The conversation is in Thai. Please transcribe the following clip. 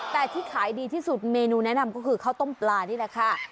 แต่ที่ขายดีที่สุดเมนูแนะนำก็คือข้าวต้มปลานี่แหละค่ะ